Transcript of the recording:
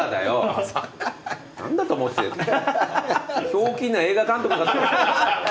ひょうきんな映画監督だと。